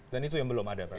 dan itu yang belum ada pak